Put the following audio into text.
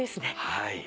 はい！